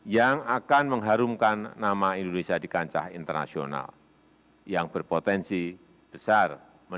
yang akan mengharumkan nama indonesia di kancah internasional yang berpotensi besar